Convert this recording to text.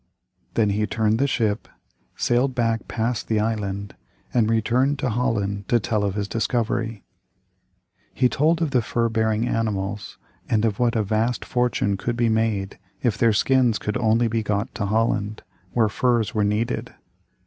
Then he turned the ship, sailed back past the island, and returned to Holland to tell of his discovery. He told of the fur bearing animals, and of what a vast fortune could be made if their skins could only be got to Holland, where furs were needed.